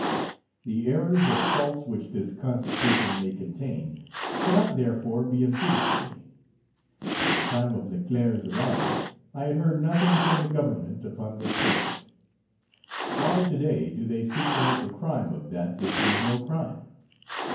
The errors or faults which this Constitution may contain cannot therefore be imputed to me. At the time of Leclerc's arrival, I had heard nothing from the Government upon this subject. Why to day do they seek to make a crime of that which is no crime?